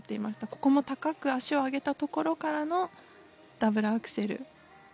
ここも高く足を上げたところからのダブルアクセル。